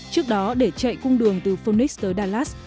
trước đó để chạy cung đường từ phoenix tới dallas